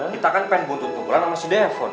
kita kan pengen butuh tukulan sama si devon